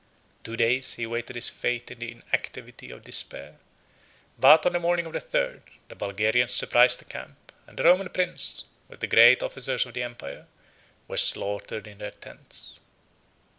Two days he waited his fate in the inactivity of despair; but, on the morning of the third, the Bulgarians surprised the camp, and the Roman prince, with the great officers of the empire, were slaughtered in their tents.